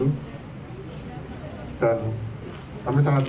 kita akan terus bertapa kita akan turun lagi sampai itu